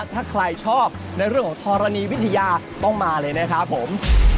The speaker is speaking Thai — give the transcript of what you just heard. ถ้าใครชอบในเรื่องของธรณีวิทยาต้องมาเลยนะครับผม